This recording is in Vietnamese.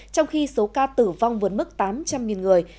trong khi số ca tử vong vượt mức tám trăm linh người